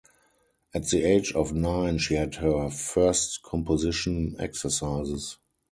At the age of nine she had her first composition exercises.